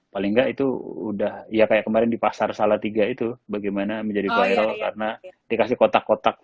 paling nggak itu udah ya kayak kemarin di pasar salatiga itu bagaimana menjadi viral karena dikasih kotak kotak